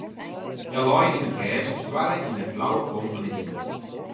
Hja lei yn it gjers en stoarre yn de blauwe kom fan de himel.